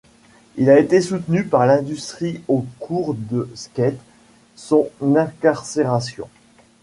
Il a été soutenu par l'industrie au cours de skate son incarcération.